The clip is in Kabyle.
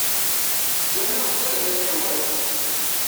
Ǧǧan-aɣ-d tarda leḥwal.